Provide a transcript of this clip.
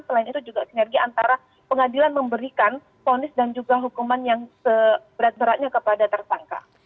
selain itu juga sinergi antara pengadilan memberikan ponis dan juga hukuman yang seberat beratnya kepada tersangka